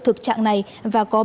thực trạng này và có bảo vệ